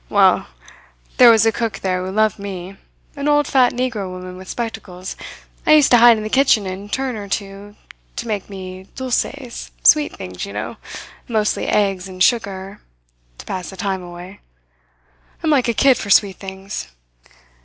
Well, there was a cook there who loved me an old fat, Negro woman with spectacles. I used to hide in the kitchen and turn her to, to make me dulces sweet things, you know, mostly eggs and sugar to pass the time away. I am like a kid for sweet things.